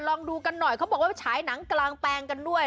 ลองดูกันหน่อยเขาบอกว่าไปฉายหนังกลางแปลงกันด้วย